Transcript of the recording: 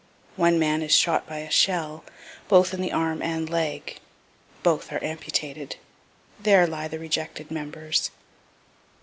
One man is shot by a shell, both in the arm and leg both are amputated there lie the rejected members.